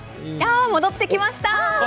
戻ってきました。